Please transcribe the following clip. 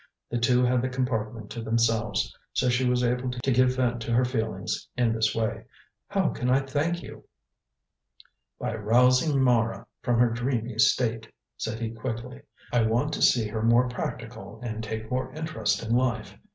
The two had the compartment to themselves, so she was able to give vent to her feelings in this way. "How can I thank you?" "By rousing Mara from her dreamy state," said he quickly. "I want to see her more practical and take more interest in life.